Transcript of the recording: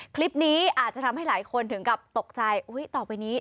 คลิปนี้อาจจะทำให้หลายคนถึงกับตกใจอุ๊ยต่อไปนี้